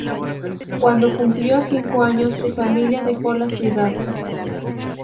Cuando cumplió cinco años, su familia dejó la ciudad.